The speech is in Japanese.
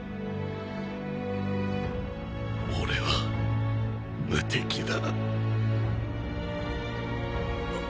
俺は無敵だ。